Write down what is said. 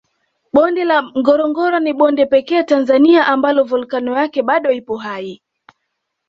Bonde la Ngorongoro ni bonde pekee Tanzania ambalo volkano yake bado ipo hai